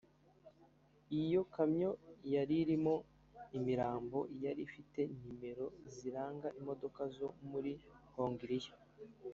Iyo kamyo yari irimo imirambo yari ifite nimero ziranga imodoka zo muri Hongiriya